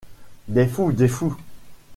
Des fous... des fous!...